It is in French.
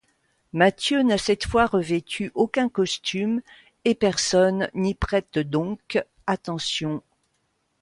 Mathieu n'a cette fois revêtu aucun costume et personne n'y prête donc attention.